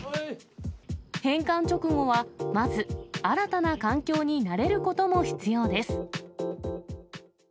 返還直後はまず、新たな環境に慣れることも必要です。